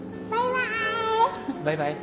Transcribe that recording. バイバイ。